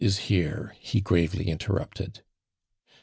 so is here," he gravely in terrupted.